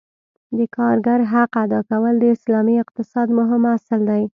د کارګر حق ادا کول د اسلامي اقتصاد مهم اصل دی.